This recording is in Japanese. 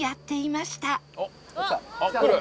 あっくる！